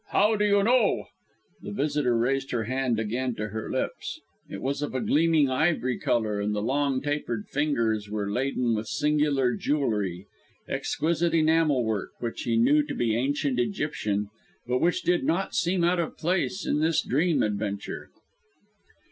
How do you know " The visitor raised her hand again to her lips. It was of a gleaming ivory colour, and the long tapered fingers were laden with singular jewellery exquisite enamel work, which he knew to be Ancient Egyptian, but which did not seem out of place in this dream adventure.